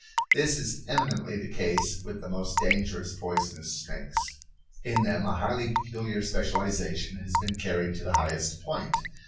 This is eminently the case with the most dangerous poisonous snakes. In them a highly peculiar specialization has been carried to the highest point.